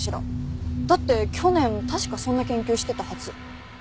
だって去年確かそんな研究してたはず。